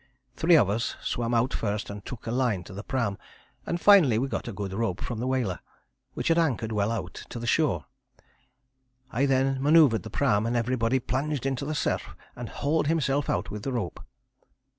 Three of us swam out first and took a line to the pram, and finally we got a good rope from the whaler, which had anchored well out, to the shore. I then manoeuvred the pram, and everybody plunged into the surf and hauled himself out with the rope.